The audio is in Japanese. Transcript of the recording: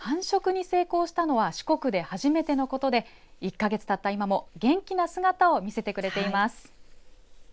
繁殖に成功したのは四国で初めてのことで１か月たった今も元気な姿を見せてくれています。